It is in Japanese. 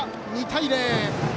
２対０。